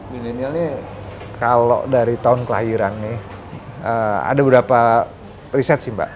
milenialnya kalau dari tahun kelahiran ini ada beberapa riset sih mbak